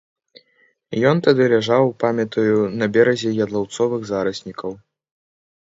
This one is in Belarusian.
Ён тады ляжаў, памятаю, на беразе ядлаўцовых зараснікаў.